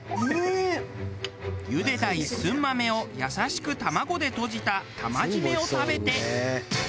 ゆでた一寸豆を優しく卵でとじた玉締めを食べて。